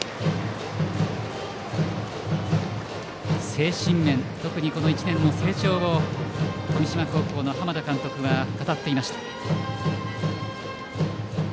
精神面、特にこの１年の成長を富島高校の浜田監督は語っていました。